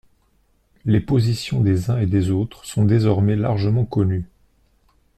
Les positions des uns et des autres sont désormais largement connues.